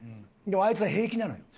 でもあいつは平気なのよ。